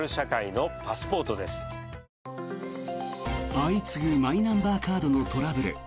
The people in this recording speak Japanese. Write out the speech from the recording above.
相次ぐマイナンバーカードのトラブル。